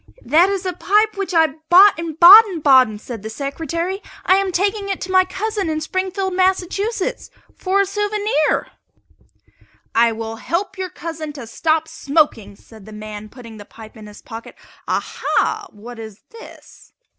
"That is a pipe which I bought in Baden Baden," said the Secretary. "I am taking it to my cousin in Springfield, Mass., for a souvenir." "I will help your cousin to stop smoking," said the man, putting the pipe in his pocket. "Aha! what is this?"